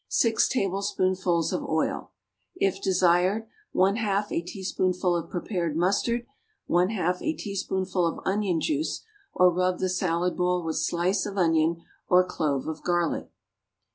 6 tablespoonfuls of oil. If desired, 1/2 a teaspoonful of prepared mustard. 1/2 a teaspoonful of onion juice, or rub the salad bowl with slice of onion, or clove of garlic.